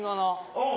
うん。